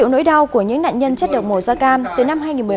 nỗi đau của những nạn nhân chất độc mổ gia cam từ năm hai nghìn một mươi một